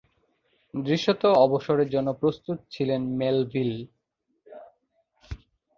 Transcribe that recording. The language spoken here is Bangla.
দৃশ্যতঃ অবসরের জন্য প্রস্তুত ছিলেন মেলভিল।